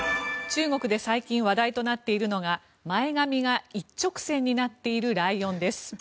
中国で最近話題となっているのが前髪が一直線になっているライオンです。